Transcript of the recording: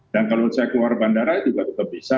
dan kalau saya keluar bandara juga tetap bisa